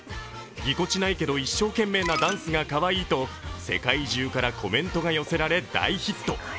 ぎこちないけど一生懸命なダンスがかわいいと世界中からコメントが寄せられ大ヒット。